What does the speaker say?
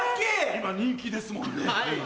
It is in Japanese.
今人気ですもんね。